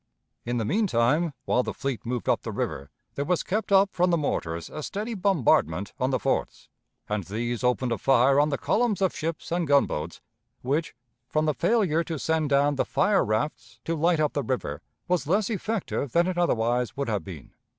In the mean time, while the fleet moved up the river, there was kept up from the mortars a steady bombardment on the forts, and these opened a fire on the columns of ships and gunboats, which, from the failure to send down the fire rafts to light up the river, was less effective than it otherwise would have been.